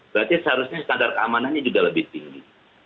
berarti seharusnya standar keamanannya juga lebih tinggi